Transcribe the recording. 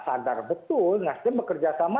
sadar betul nasdem bekerja sama